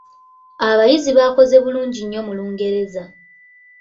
Abayizi baakoze bulungi nnyo mu Lungereza.